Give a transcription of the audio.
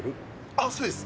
ああそうです！